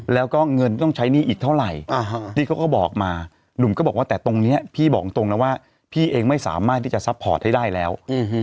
แล้วก็เงินต้องใช้หนี้อีกเท่าไหร่ที่เขาก็บอกมาหนุ่มก็บอกว่าแต่ตรงนี้พี่บอกตรงนะว่าพี่เองไม่สามารถที่จะซัพพอร์ตให้ได้แล้ว